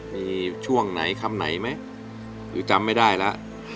มีช่วงไหนคำไหนไหมอยู่จำไม่ได้ละ